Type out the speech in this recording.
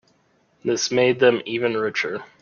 This made them even richer.